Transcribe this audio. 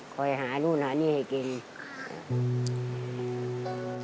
คอยหารูหนอหนี้ให้กิน